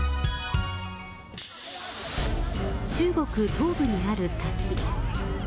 中国東部にある滝。